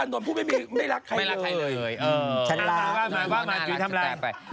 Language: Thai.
ใครจะเหมือนพุทธอ่านตนผู้ไม่รักใครเลย